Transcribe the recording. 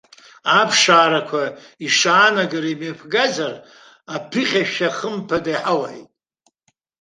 Аԥшаарақәа ишаанагара имҩаԥгазар, аԥыхьашәа хымԥада иҳауеит.